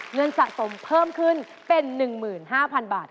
เงินสะสมเพิ่มขึ้นเป็น๑๕๐๐๐บาท